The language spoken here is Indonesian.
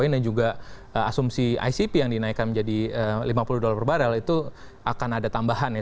dan juga asumsi icp yang dinaikkan menjadi lima puluh dolar per barrel itu akan ada tambahan ya